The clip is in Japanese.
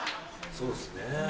そうですね・